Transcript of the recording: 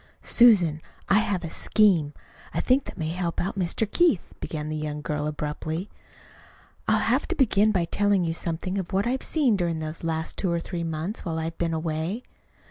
"Susan, I have a scheme, I think, that may help out Mr. Keith," began the young girl abruptly. "I'll have to begin by telling you something of what I've seen during these last two or three months, while I've been away.